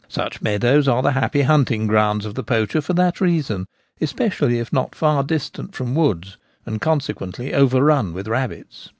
Such meadows Poacher's Weather. 145 are the happy hunting grounds of the poacher for that reason, especially if not far distant from woods, and consequently overrun with rabbits.